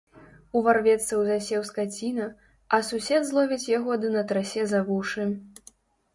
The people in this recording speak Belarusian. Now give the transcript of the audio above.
Уварвецца ў засеў скаціна, а сусед зловіць яго ды натрасе за вушы.